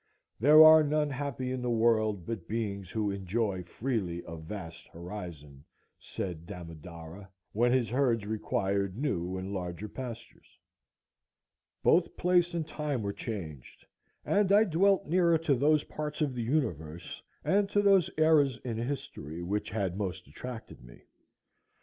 "There are none happy in the world but beings who enjoy freely a vast horizon,"—said Damodara, when his herds required new and larger pastures. Both place and time were changed, and I dwelt nearer to those parts of the universe and to those eras in history which had most attracted me.